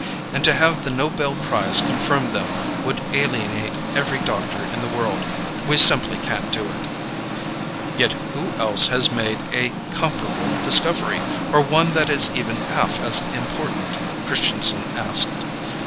And to have the Nobel Prize confirm them would alienate every doctor in the world. We simply can't do it." "Yet who else has made a comparable discovery? Or one that is even half as important?" Christianson asked.